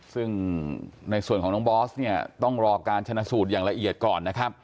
ซึ่งในส่วนของน้องบอสเนี่ยต้องรอการชนะสูตรอย่างละเอียดก่อนนะครับ